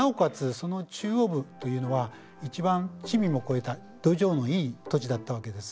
その中央部というのは一番地味も肥えた土壌のいい土地だったわけです。